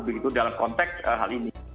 begitu dalam konteks hal ini